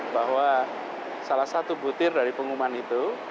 bahwa salah satu butir dari pengumuman itu